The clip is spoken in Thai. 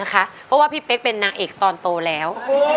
เพราะว่าพี่เป๊กเป็นนางเอกตอนโตแล้ว